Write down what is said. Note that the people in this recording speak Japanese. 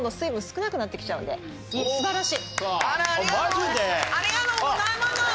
ありがとうございます。